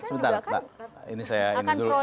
sebentar ini saya ini dulu